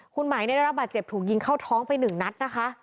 คุณไหมได้รับบาดเจ็บถูกยิงเข้าท้องไปหนึ่งนัดนะคะ